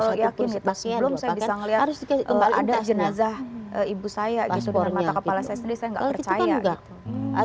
belum saya bisa melihat ada jenazah ibu saya gitu dengan mata kepala saya sendiri saya enggak percaya